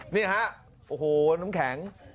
นี่ฮะโอ้โหน้ำแข็ง